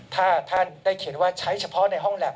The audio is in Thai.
ถ้าท่านได้เขียนว่าใช้เฉพาะในห้องแล็